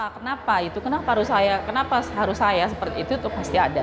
kenapa kenapa harus saya seperti itu pasti ada